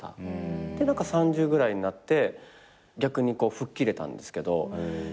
３０ぐらいになって逆に吹っ切れたんですけど。